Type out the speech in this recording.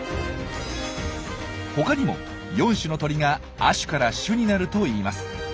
他にも４種の鳥が亜種から種になるといいます。